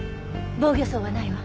防御創はないわ。